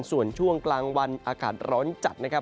ส่วนช่วงกลางวันอากาศร้อนจัดนะครับ